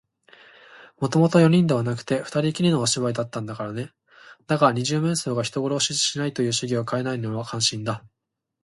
もともと四人ではなくて、ふたりきりのお芝居だったんだからね。だが、二十面相が人殺しをしないという主義をかえないのは感心だ。